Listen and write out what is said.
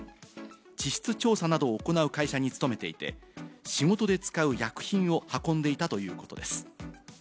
地質調査などを行う会社に勤めていて、仕事で使う薬品を運んでいたということです。